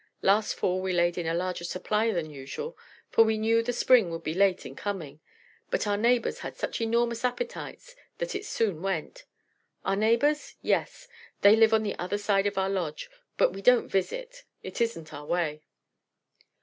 Last fall we laid in a larger supply than usual, for we knew the spring would be late in coming; but our neighbours had such enormous appetites that it soon went. Our neighbours? Yes they live on the other side of our lodge; but we don't visit it isn't our way."